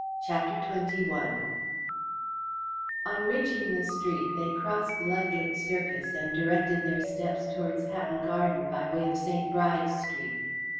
CHAPTER XXI On reaching the street, they crossed Ludgate Circus, and directed their steps towards Hatton Garden by way of St. Bride Street.